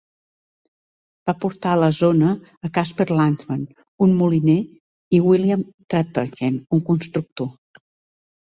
Va portar a la zona a Casper Landsman, un moliner, i William Traphagen, un constructor.